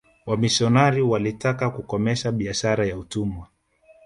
wamishionari walitaka kukomesha biashara ya utumwa